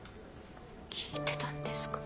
聞いてたんですか？